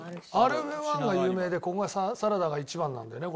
ＲＦ１が有名でここがサラダが一番なんだよね？